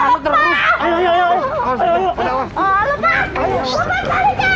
lepas balik tante